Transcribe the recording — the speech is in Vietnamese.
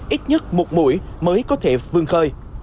ít nhất một mũi mới có thể vươn khơi